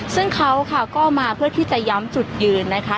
ซึ่งเขาค่ะก็มาเพื่อที่จะย้ำจุดยืนนะคะ